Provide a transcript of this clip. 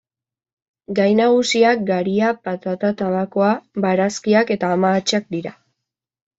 Gai nagusiak garia, patata, tabakoa, barazkiak eta mahatsa dira.